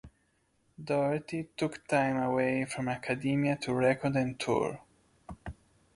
Doherty took time away from academia to record and tour.